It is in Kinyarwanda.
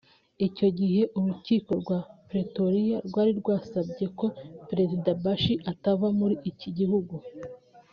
Icyo gihe urukiko rwa Pretoria rwari rwasabye ko Perezida Bashir atava muri iki gihugu